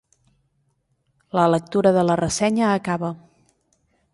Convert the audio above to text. La lectura de la ressenya acaba.